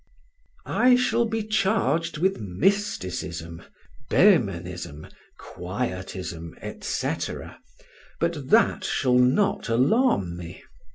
I shall be charged with mysticism, Behmenism, quietism, &c., but that shall not alarm me.